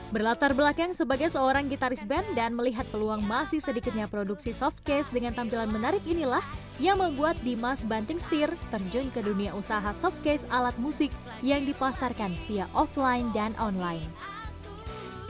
berlatar belakang sebagai seorang gitaris band dan melihat peluang masih sedikitnya produksi softcase dengan tampilan menarik inilah yang membuat dimas banting setir terjun ke dunia usaha softcase alat musik yang dipasarkan via offline dan online